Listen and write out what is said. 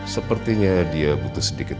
sepertinya dia butuh sedikit